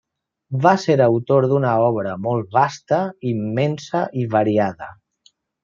Va ser autor d'una obra molt vasta, immensa i variada.